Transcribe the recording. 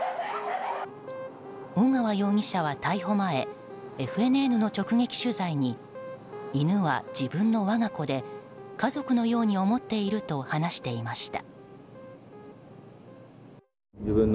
尾川容疑者は逮捕前ＦＮＮの直撃取材に犬は自分の我が子で家族のように思っていると話していました。